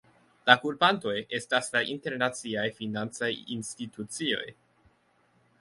La kulpantoj estas la internaciaj financaj institucioj.